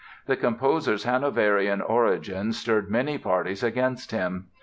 The composer's Hanoverian origin stirred many parties against him.